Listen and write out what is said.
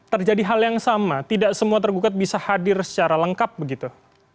terjadi hal yang sama tidak semua tergugat bisa hadir secara lengkap begitu